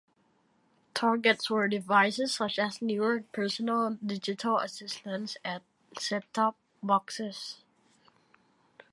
Targets were devices such as newer personal digital assistants and set-top boxes.